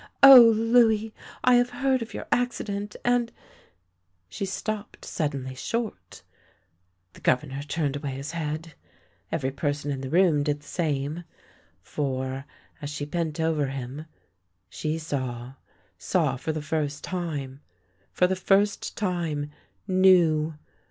" O, Louis, I have heard of your accident, and " she stopped suddenly short. The Governor turned away his head. Every person in the room did the same. For, as she bent over him — she saw! Saw for the first time; for the first time, Knew!